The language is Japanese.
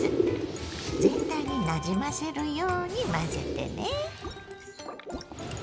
全体になじませるように混ぜてね。